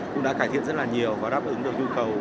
cũng đã cải thiện rất là nhiều và đáp ứng được nhu cầu